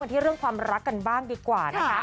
ที่เรื่องความรักกันบ้างดีกว่านะคะ